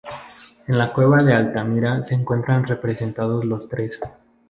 En la cueva de Altamira se encuentran representados los tres.